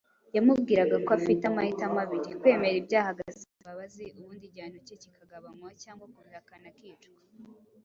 yamubwiraga ko afite amahitamo abiri: kwemera ibyaha agasaba imbabazi ubundi igihano cye kikagabanywa, cyangwa kubihakana akicwa.